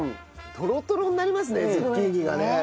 トロトロになりますねズッキーニがね。